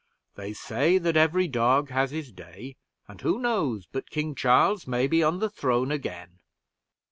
They say that every dog has his day, and who knows but King Charles may be on the throne again!"